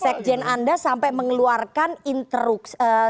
sekjen anda sampai mengeluarkan instruksi